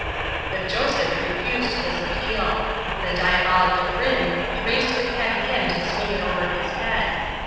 But Joseph refused this appeal. With a diabolical grin he raised the cat again to swing it over his head.